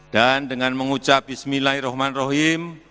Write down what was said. dan dengan mengucap bismillahirrahmanirrahim